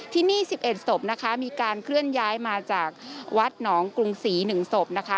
ที่นี่๑๑ศพนะคะมีการเคลื่อนย้ายมาจากวัดหนองกรุงศรี๑ศพนะคะ